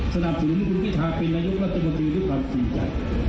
สนับสนุนคุณพิทาเป็นนายกรัฐมนตรีด้วยความจริงใจ